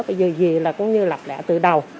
bây giờ dì là cũng như lập lẹ từ đầu